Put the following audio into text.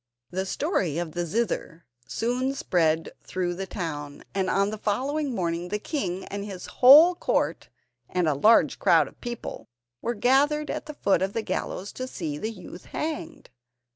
The story of the zither soon spread through the town, and on the following morning the king and his whole court and a large crowd of people were gathered at the foot of the gallows to see the youth hanged.